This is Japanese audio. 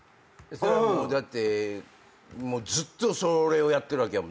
だってずっとそれをやってるわけやもんね。